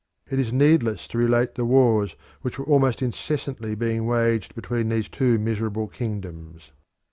It is needless to relate the wars which were almost incessantly being waged between these two miserable kingdoms.